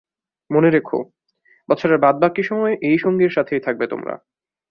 মনে রেখো, বছরের বাদবাকি সময় এই সঙ্গীর সাথেই থাকবে তোমরা।